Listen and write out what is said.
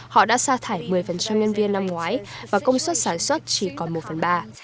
họ đã xa thải một mươi nhân viên năm ngoái và công suất sản xuất chỉ còn một phần ba